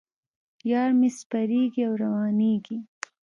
یار مې سپریږي او روانېږي.